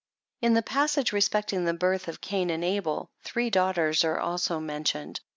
In the passage respecting the birth of Cain and Abel, three daughters are also mentioned.